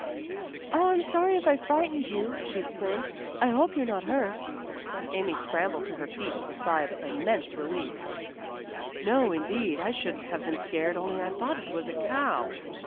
"Oh, I'm sorry if I frightened you," she exclaimed. "I hope you're not hurt." Amy scrambled to her feet with a sigh of immense relief. "No, indeed, and I shouldn't have been scared only I thought it was a cow."